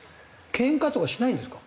けんかとかしないんですか？